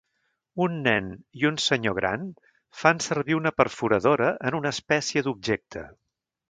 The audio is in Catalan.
Un nen i un senyor gran fan servir una perforadora en una espècie d'objecte.